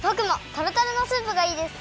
とろとろのスープがいいです！